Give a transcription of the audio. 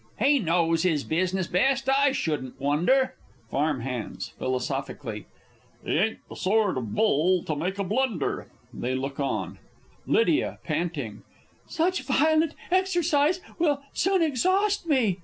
_ He knows his business best, I shouldn't wonder. Farm hands (philosophically). He ain't the sort of Bull to make a blunder. [They look on. Lydia (panting.) Such violent exercise will soon exhaust me!